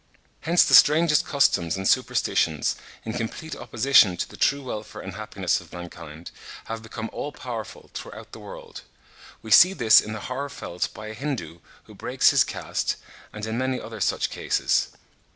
Hence the strangest customs and superstitions, in complete opposition to the true welfare and happiness of mankind, have become all powerful throughout the world. We see this in the horror felt by a Hindoo who breaks his caste, and in many other such cases.